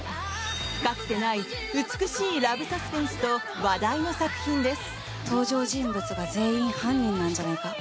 かつてない美しいラブサスペンスと話題の作品です。